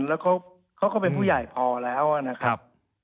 แล้วเขาก็เป็นผู้ใหญ่พอแล้วนะครับ